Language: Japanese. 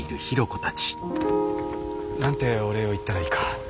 何てお礼を言ったらいいか。